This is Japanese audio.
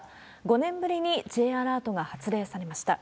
５年ぶりにＪアラートが発令されました。